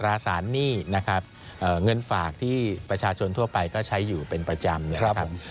สารหนี้นะครับเงินฝากที่ประชาชนทั่วไปก็ใช้อยู่เป็นประจำนะครับ